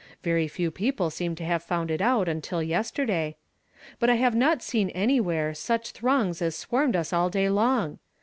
Very few people seem to have found it out, uniil yester day, — but I have not seen anywhere, such throngs as swarmed us all day long.